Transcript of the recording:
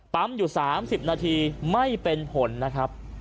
อยู่๓๐นาทีไม่เป็นผลนะครับ